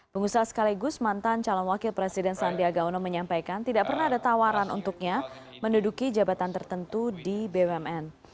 pengusaha sekaligus mantan calon wakil presiden sandiaga uno menyampaikan tidak pernah ada tawaran untuknya menduduki jabatan tertentu di bumn